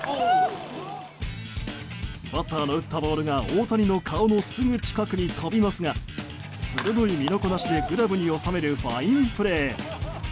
バッターの打ったボールが大谷の顔のすぐ近くに飛びますが鋭い身のこなしでグラブに収めるファインプレー。